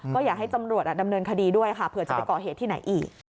ก็อยากให้ตำรวจดำเนินคดีด้วยค่ะเผื่อจะไปก่อเหตุที่ไหนอีก